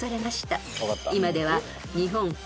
［今では］